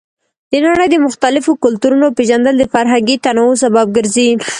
د نړۍ د مختلفو کلتورونو پیژندل د فرهنګي تنوع سبب ګرځي.